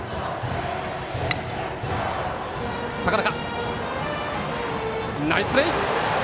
高中、ナイスプレー！